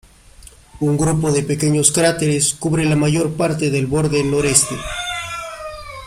Un grupo de pequeños cráteres cubre la mayor parte del borde noreste.